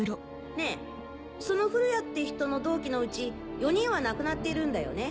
ねぇその降谷って人の同期のうち４人は亡くなっているんだよね？